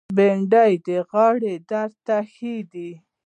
بېنډۍ د غاړې درد ته ښه ده